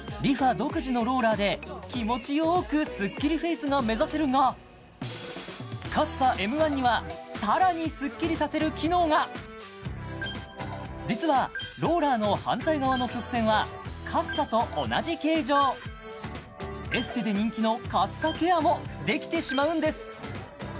独自のローラーで気持ちよくスッキリフェイスが目指せるがＣＡＸＡＭ１にはさらにスッキリさせる機能が実はローラーの反対側の曲線はカッサと同じ形状エステで人気のカッサケアもできてしまうんです